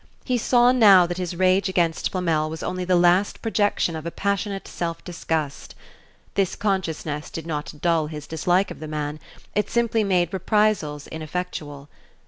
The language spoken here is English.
He saw now that his rage against Flamel was only the last projection of a passionate self disgust. This consciousness did not dull his dislike of the man; it simply made reprisals ineffectual.